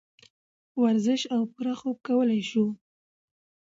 ورزش او پوره خوب کولے شو -